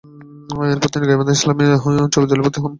এরপর তিনি গাইবান্ধা ইসলামিয়া উচ্চ বিদ্যালয়ে ভর্তি হন।